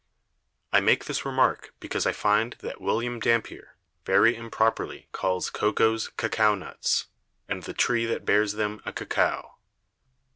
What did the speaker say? I make this Remark, because I find that William Dampier very improperly calls[a] Coco's Cocao Nuts, and the Tree that bears them a Cocao.